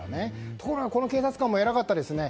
ところが、この警察官もえらかったですね